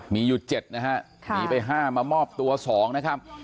มีอยู่๗นะฮะหนีไป๕มามอบตัว๒นะครับ